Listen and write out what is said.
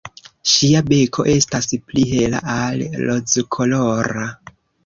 Ŝia beko estas pli hela, al rozkolora.